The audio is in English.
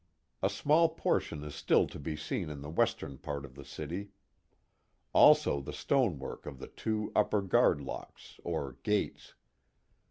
A small portion is still to be seen in the western part of the city, also the stonework of the two upper guard locks or gates.